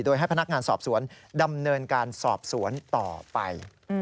โดยให้พนักงานสอบสวนดำเนินการสอบสวนต่อไป